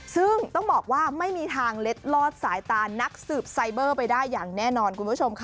ซึ่งต้องบอกว่าไม่มีทางเล็ดลอดสายตานักสืบไซเบอร์ไปได้อย่างแน่นอนคุณผู้ชมค่ะ